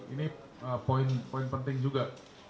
ini poin poin penting juga